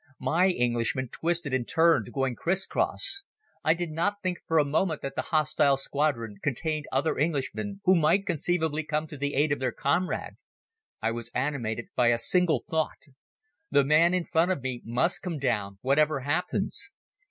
My Englishman twisted and turned, going criss cross. I did not think for a moment that the hostile squadron contained other Englishmen who conceivably might come to the aid of their comrade. I was animated by a single thought: "The man in front of me must come down, whatever happens."